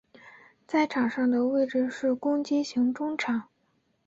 在场上的位置是攻击型中场。